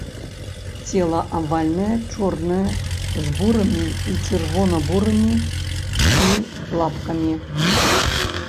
Цела авальнае, чорнае, з бурымі і чырвона-бурымі і лапкамі.